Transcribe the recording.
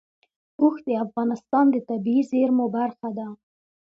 اوښ د افغانستان د طبیعي زیرمو برخه ده.